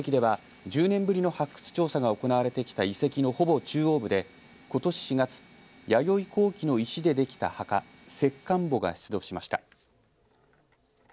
吉野ヶ里遺跡では１０年ぶりの発掘調査が行われてきた遺跡のほぼ中央部でことし４月、弥生後期の石でできた墓石棺墓が出土しました。